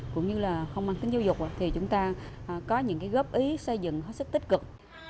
cũng như là không mang tính giáo dục thì chúng ta có những góp ý xây dựng hết sức tích cực